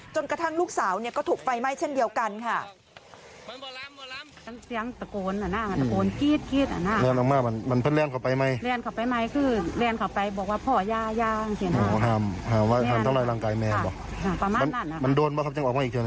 กระทั่งลูกสาวก็ถูกไฟไหม้เช่นเดียวกันค่ะ